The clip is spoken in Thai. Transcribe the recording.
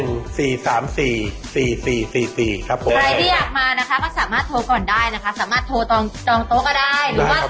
ใครที่อยากมานะครับว่าสามารถโทรก่อนได้นะครับ